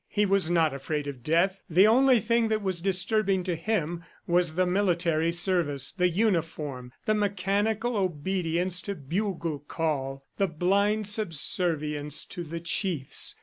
He was not afraid of death; the only thing that was disturbing him was the military service, the uniform, the mechanical obedience to bugle call, the blind subservience to the chiefs.